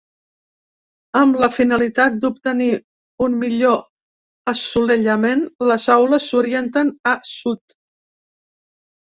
Amb la finalitat d’obtenir un millor assolellament, les aules s’orienten a sud.